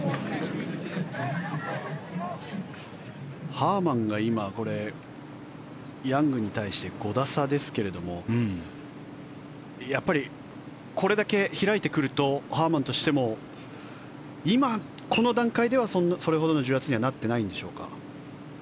ハーマンが今、ヤングに対して５打差ですけれどもやっぱり、これだけ開いてくるとハーマンとしても今、この段階ではそれほどの重圧にはなってないんでしょうか。